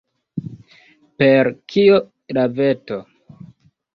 Per kio la veto?